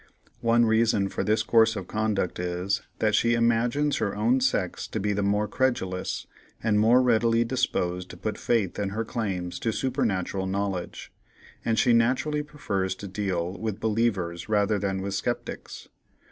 One reason for this course of conduct is, that she imagines her own sex to be the more credulous, and more readily disposed to put faith in her claims to supernatural knowledge, and she naturally prefers to deal with believers rather than with sceptics.